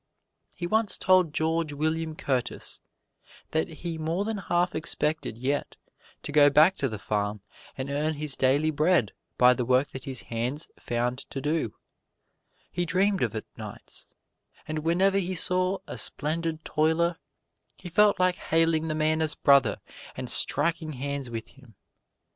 He once told George William Curtis that he more than half expected yet to go back to the farm and earn his daily bread by the work that his hands found to do; he dreamed of it nights, and whenever he saw a splendid toiler, he felt like hailing the man as brother and striking hands with him.